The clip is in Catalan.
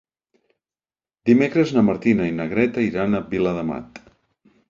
Dimecres na Martina i na Greta iran a Viladamat.